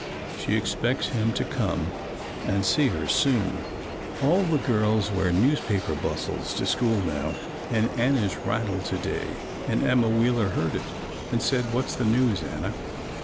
She expects him to come and see her soon. All the girls wear newspaper bustles to school now and Anna's rattled to day and Emma Wheeler heard it and said, "What's the news, Anna?"